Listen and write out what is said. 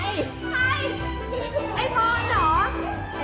มีถุกใช่ไหมครับ